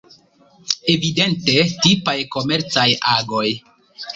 Evidente tipaj komercaj agoj.